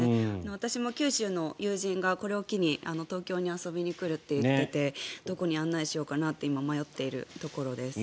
私も九州の友人がこれを機に東京に遊びに来ると言っていてどこに案内しようかなって今、迷っているところです。